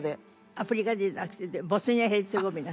アフリカじゃなくてボスニア・ヘルツェゴビナ。